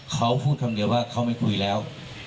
เขาพูดคำเดียวว่าเขาไม่คุยแล้ว